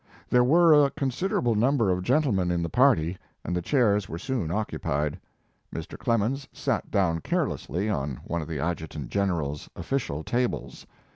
There were a considerable num ber of gentlemen in the party, and the chairs were soon occupied. Mr. Clemens sat down carelessly on one of the Adjut ant General s official tables.